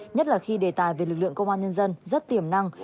nhất là khi đề tài về lực lượng công an nhân dân rất tiềm năng